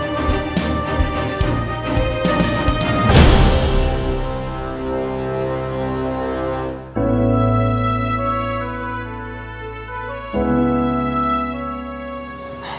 pasti sama tante